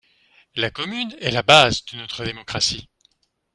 La commune est la base de notre démocratie.